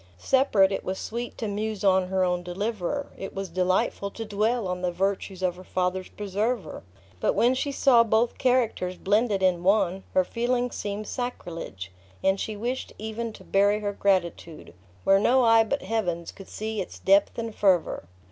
Separate, it was sweet to muse on her own deliverer; it was delightful to dwell on the virtues of her father's preserver. But when she saw both characters blended in one, her feelings seemed sacrilege; and she wished even to bury her gratitude, where no eye but Heaven's could see its depth and fervor.